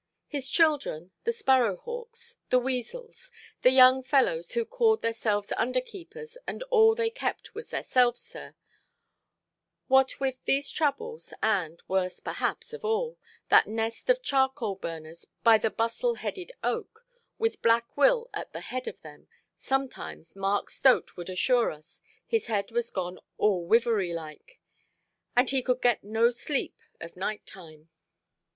His children, the sparrow–hawks, the weasels, the young fellows who "called theirselves under–keepers, and all they kept was theirselves, sir",—what with these troubles, and (worst, perhaps, of all) that nest of charcoal–burners by the bustle–headed oak, with Black Will at the head of them, sometimes, Mark Stote would assure us, his head was gone "all wivvery like", and he could get no sleep of night–time.